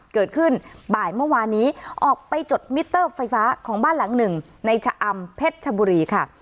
เกิดขึ้นบ่ายเมื่อวานนี้ออกไปจดมิเตอร์ไฟฟ้าของบ้านหลังหนึ่งในชะอำเพชรชบุรีค่ะ